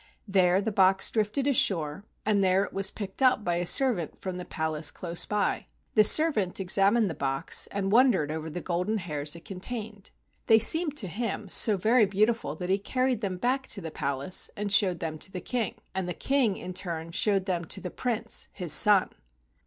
There the box drifted ashore, and there it was picked up by a servant from the palace close by. The servant examined the box and wondered over the golden hairs it contained. They seemed to him so very beautiful that he carried them back to the palace and showed them to the King, and the King in turn showed them to the Prince, his son.